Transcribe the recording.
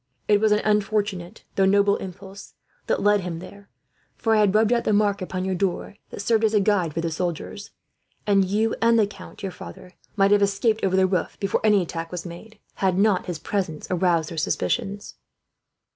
It was an unfortunate, though noble impulse, that led him there; for I had rubbed out the mark upon your door that served as a guide for the soldiers, and you and the count might have escaped over the roof, before any attack was made, had not his presence aroused their suspicions."